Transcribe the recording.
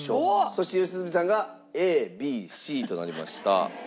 そして良純さんがＡＢＣとなりました。